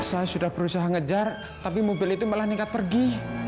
saya sudah berusaha ngejar tapi mobil itu malah ningkat pergi